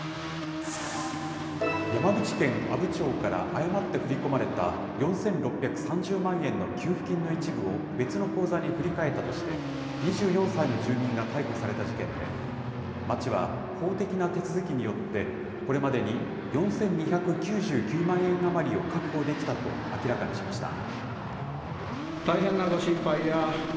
山口県阿武町から誤って振り込まれた、４６３０万円の給付金の一部を別の口座に振り替えたとして、２４歳の住民が逮捕された事件で、町は法的な手続きによって、これまでに４２９９万円余りを確保できたと明らかにしました。